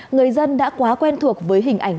người dân đã quá quen thuộc với hình ảnh